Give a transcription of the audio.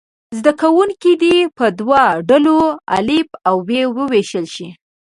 زده کوونکي دې په دوه ډلو الف او ب وویشل شي.